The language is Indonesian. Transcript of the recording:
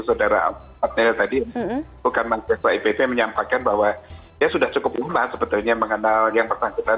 saudara pat niel tadi bukan mahasiswa ipb menyampaikan bahwa ya sudah cukup umlah sebetulnya mengenal yang bersangkutan